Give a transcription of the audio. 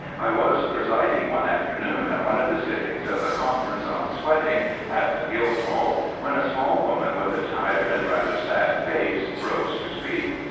I was presiding one afternoon at one of the sittings of the Conference on Sweating at the Guildhall when a small woman with a tired and rather sad face rose to speak.